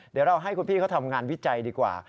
เดี๋ยวเราให้คุณพี่เขาทำงานวิจัยดีกว่า